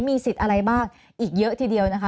มีสิทธิ์อะไรบ้างอีกเยอะทีเดียวนะคะ